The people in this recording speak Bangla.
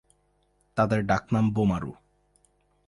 তাদের ডাকনাম বোমারু।